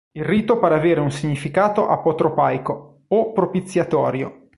Il rito pare avere un significato apotropaico o propiziatorio.